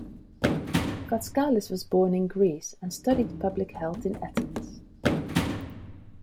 Vatskalis was born in Greece, and studied public health in Athens.